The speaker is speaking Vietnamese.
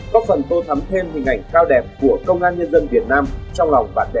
có phần tôi thấm thêm hình ảnh cao đẹp của công an nhân dân việt nam trong lòng bạn đẻ quốc tế